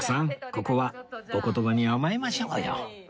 ここはお言葉に甘えましょうよ